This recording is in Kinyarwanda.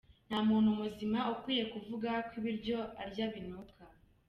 Nta muntu muzima ukwiye kuvuga ko ibiryo arya binuka.